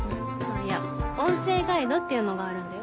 いや音声ガイドっていうのがあるんだよ。